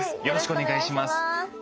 よろしくお願いします。